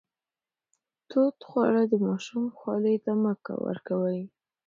تود خواړه د ماشوم خولې ته مه ورکوئ.